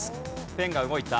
ペンが動いた。